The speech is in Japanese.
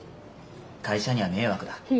会社には迷惑だ。